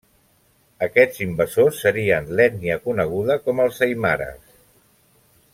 Aquests invasors serien l'ètnia coneguda com els aimares.